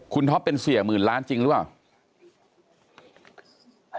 คุณทอล์ฟเป็นเสียหมื่นล้านจริงหรือวะ